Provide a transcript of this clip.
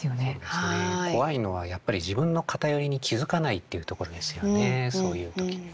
怖いのはやっぱり自分の偏りに気付かないっていうところですよねそういう時にね。